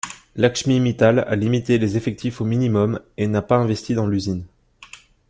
Lakshmi Mittal a limité les effectifs au minimum et n'a pas investi dans l'usine.